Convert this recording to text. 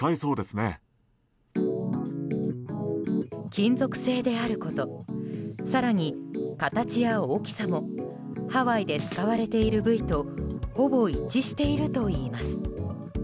金属製であること更に、形や大きさもハワイで使われているブイとほぼ一致しているといいます。